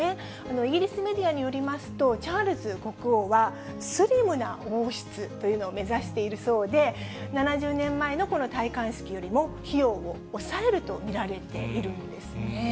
イギリスメディアによりますと、チャールズ国王は、スリムな王室というのを目指しているそうで、７０年前のこの戴冠式よりも費用を抑えると見られているんですね。